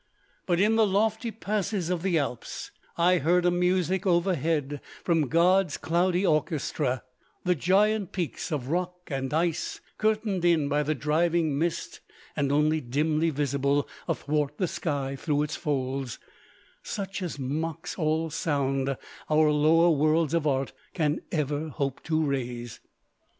But in the lofty passes of the Alps I heard a music overhead from God's cloudy orchestra, the giant peaks of rock and ice, curtained in by the driving mist and only dimly visible athwart the sky through its folds, such as mocks all sounds our lower worlds of art can ever hope to raise.